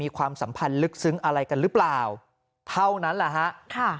ความสัมพันธ์ลึกซึ้งอะไรกันหรือเปล่าเท่านั้นแหละฮะค่ะ